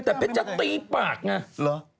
แต่เป็นจะตีปากเนี่ย